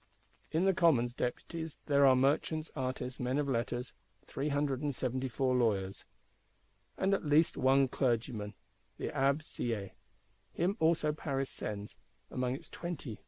In the Commons Deputies there are Merchants, Artists, Men of Letters; three hundred and seventy four Lawyers; and at least one Clergyman: the Abbé Sieyes. Him also Paris sends, among its twenty.